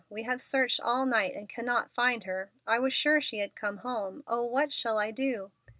We have searched all night and cannot find her. I was sure she had come home. Oh, what shall I do?"